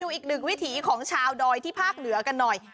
อีกหนึ่งวิถีของชาวดอยที่ภาคเหนือกันหน่อย